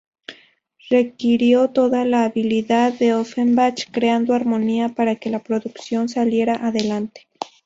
Requirió toda la habilidad de Offenbach creando armonía para que la producción saliera adelante.